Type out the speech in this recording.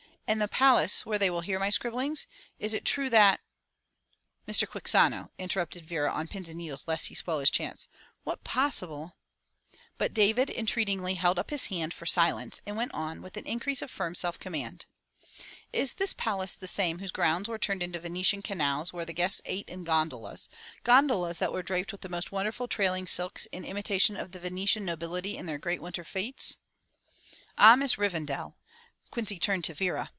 "And the palace where they will hear my scribblings. Is it true that—?" "Mr. Quixano," interrupted Vera on pins and needles lest he spoil his chance — "what possible—?" but David entreatingly held up his hand for silence and went on with an increase of firm self command: "Is this palace the same whose grounds were turned into Venetian canals where the guests ate in gondolas, gondolas that were draped with the most wonderful trailing silks in imitation of the Venetian nobility in their great winter fetes?" "Ah, Miss Revendal," Quincy turned to Vera.